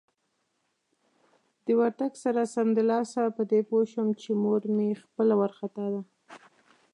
د ورتګ سره سمدلاسه په دې پوه شوم چې مور مې خپله وارخطا ده.